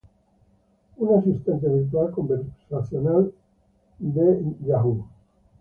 Un asistente virtual conversacional de Google.